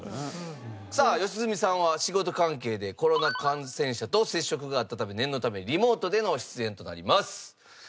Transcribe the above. さあ良純さんは仕事関係でコロナ感染者と接触があったため念のためリモートでの出演となります。